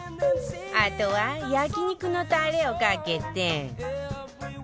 あとは焼肉のタレをかけて